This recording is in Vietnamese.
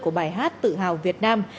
của bài hát tự hào việt nam